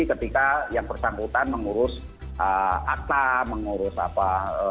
ketika yang bersangkutan mengurus akta mengurus apa